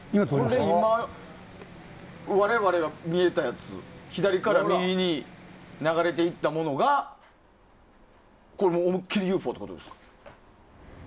我々が見えたやつ左から右に流れていったものが思いっきりＵＦＯということですか。